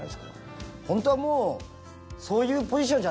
ホントはもう。